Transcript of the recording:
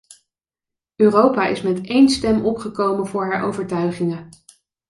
Europa is met één stem opgekomen voor haar overtuigingen.